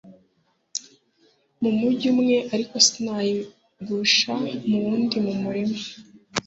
mu mugi umwe ariko sinayigusha mu wundi Mu murima